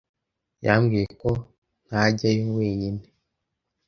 Yambwiye ko ntajyayo wenyine.